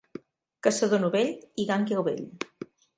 Caçador novell i gànguil vell.